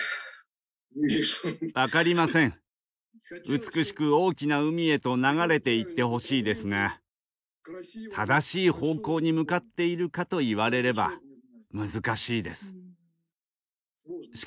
美しく大きな海へと流れていってほしいですが正しい方向に向かっているかと言われれば難しいです。